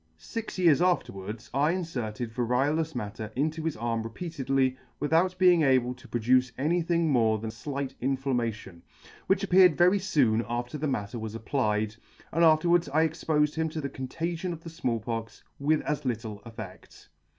Six years afterwards I inferted variolous matter into his arm repeatedly, without being E able C 26 ] able to produce any thing more than flight inflammation, which appeared very foon after the matter was applied, and afterwards I expofed him to the contagion of the Small Pox with as little eflfed; *.